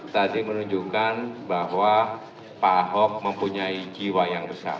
tadi menunjukkan bahwa pak ahok mempunyai jiwa yang besar